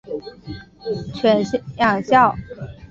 犬养孝。